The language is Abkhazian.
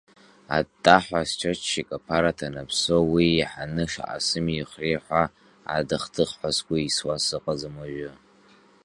Аттаҳәа асчотчик аԥара ҭанаԥсо, уи еиҳаны шаҟа сымихри ҳәа адыхдыхҳәа сгәы еисуа сыҟаӡам уажәы.